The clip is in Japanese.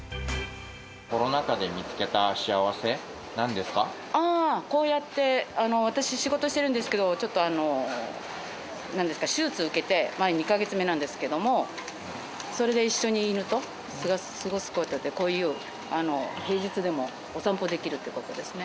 コロナ禍で見つけた幸せ、あー、こうやって私、仕事してるんですけど、ちょっと、なんですか、手術受けて、２か月目なんですけど、それで一緒に犬と過ごすことで、こういう平日でもお散歩できるってことですね。